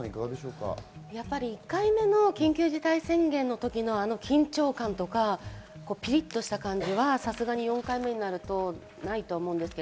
１回目の緊急事態宣言の時の緊張感とか、ピリッとした感じは、さすがに４回目になると、ないと思います。